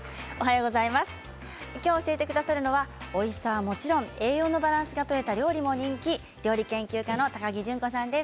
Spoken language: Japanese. きょう教えてくださるのはおいしさはもちろん栄養のバランスが取れた料理も人気、料理研究家の高城順子さんです。